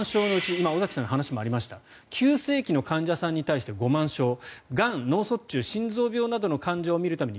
今、尾崎さんの話にもありました急性期の患者さんに対して５万床がん、脳卒中、心臓病の患者などを診るのに